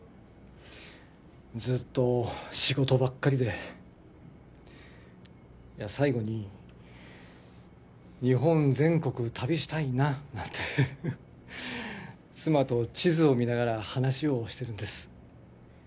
ずっと仕事ばっかりでいや最後に日本全国旅したいななんて妻と地図を見ながら話をしてるんです